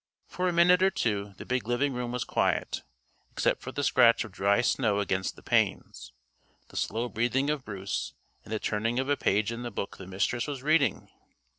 For a minute or two the big living room was quiet, except for the scratch of dry snow against the panes, the slow breathing of Bruce and the turning of a page in the book the Mistress was reading.